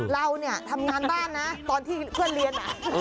เราทำงานบ้านตอนที่เพื่อนเรียน